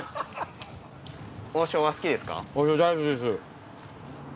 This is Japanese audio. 王将は好きですか？